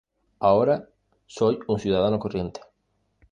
Ahora soy un ciudadano corriente".